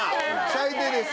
最低です。